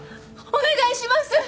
お願いします！